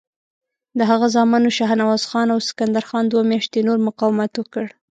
د هغه زامنو شهنواز خان او سکندر خان دوه میاشتې نور مقاومت وکړ.